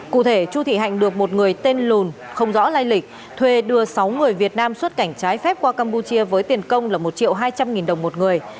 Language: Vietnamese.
cụ thể chu thị hạnh được một người tên lùn không rõ lai lịch thuê đưa sáu người việt nam xuất cảnh trái phép qua campuchia với tiền công là một triệu hai trăm linh nghìn đồng một người